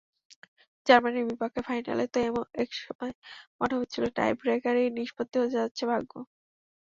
জার্মানির বিপক্ষে ফাইনালে তো একসময় মনে হচ্ছিল, টাইব্রেকারেই নিষ্পত্তি হতে যাচ্ছে ভাগ্য।